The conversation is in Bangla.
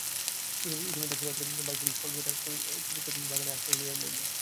ইতিমধ্যে শরতের ভাই সতীশ কলিকাতা কলেজের ছুটিতে বাগানে আসিয়া আশ্রয় লইল।